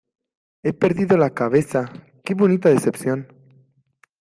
He perdido la cabeza, ¡qué bonita decepción!